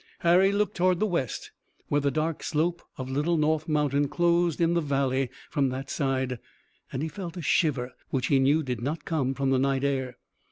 Harry looked toward the west, where the dark slope of Little North Mountain closed in the valley from that side, and he felt a shiver which he knew did not come from the night air.